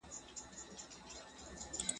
هغې نجلۍ ته مور منګی نه ورکوینه..